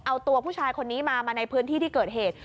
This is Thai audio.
เอาตัวผู้ชายคนนี้มามาในพื้นที่ที่เกิดเหตุ